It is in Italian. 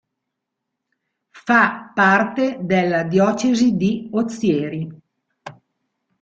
Fa parte della diocesi di Ozieri.